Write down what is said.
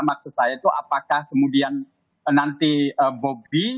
maksud saya itu apakah kemudian nanti bobi